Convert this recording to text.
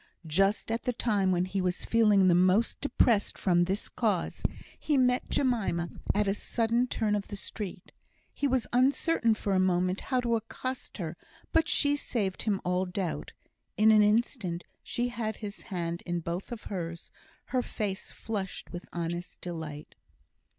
Just at the time when he was feeling the most depressed from this cause, he met Jemima at a sudden turn of the street. He was uncertain for a moment how to accost her, but she saved him all doubt; in an instant she had his hand in both of hers, her face flushed with honest delight.